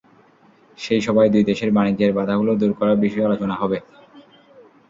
সেই সভায় দুই দেশের বাণিজ্যের বাধাগুলো দূর করার বিষয়ে আলোচনা হবে।